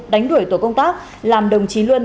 đánh đuổi tổ công tác làm đồng chí luân